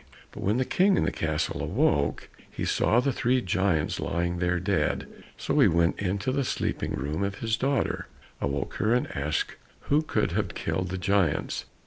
But when the King in the castle awoke, he saw the three giants lying there dead. So he went into the sleeping room of his daughter, awoke her, and asked who could have killed the giants?